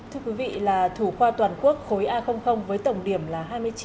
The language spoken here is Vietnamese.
thưa quý vị là thủ khoa toàn quốc khối a với tổng điểm là hai mươi chín ba mươi năm